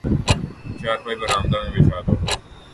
چارپائی برآمدہ میں بچھا دو